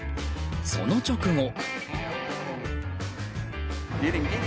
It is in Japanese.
その直後。